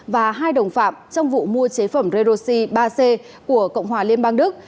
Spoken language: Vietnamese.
và hai đồng phạm trong vụ mua chế phẩm redoxi ba c của cộng hòa liên bang đức